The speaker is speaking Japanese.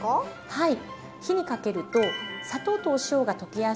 はい。